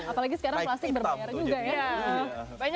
apalagi sekarang plastik berbayar juga ya